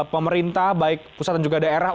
pemerintah baik pusat dan juga daerah